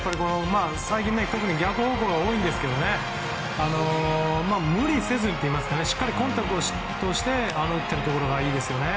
最近、特に逆方向が多いんですが無理せずというかしっかりコンタクトして打ってるところがいいですよね。